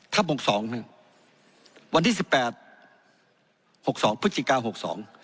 บกสองหนึ่งวันที่สิบแปดหกสองพฤศจิกาหกสอง